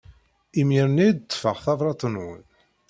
Imir-nni i d-ṭṭfeɣ tabrat-nwen.